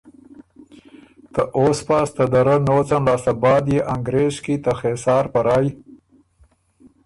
ته اوسپاس ته دَرَۀ نوڅن لاسته بعد يې انګرېز کی ته خېسار په رایٛ